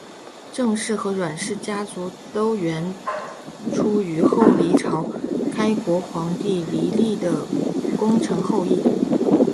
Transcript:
郑氏与阮氏家族都源出于后黎朝开国皇帝黎利的功臣后裔。